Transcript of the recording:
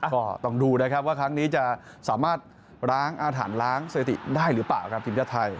ก็ต้องดูนะครับว่าครั้งนี้จะสามารถล้างอาถรรพ์ล้างสถิติได้หรือเปล่าครับทีมชาติไทย